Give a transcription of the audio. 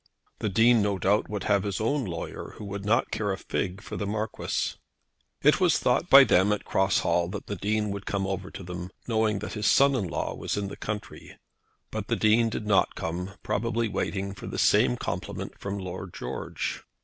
The Dean, no doubt, would have his own lawyer, who would not care a fig for the Marquis. It was thought by them at Cross Hall that the Dean would come over to them, knowing that his son in law was in the country; but the Dean did not come, probably waiting for the same compliment from Lord George.